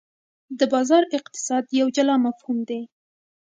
د بازار اقتصاد یو جلا مفهوم دی.